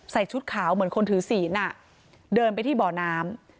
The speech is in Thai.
ชุดขาวเหมือนคนถือศีลเดินไปที่บ่อน้ำ